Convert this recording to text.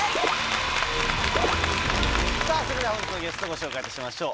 さぁそれでは本日のゲストご紹介いたしましょう。